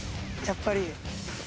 やっぱり。